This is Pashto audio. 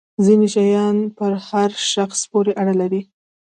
ځینې شیان پر هر شخص پورې اړه لري.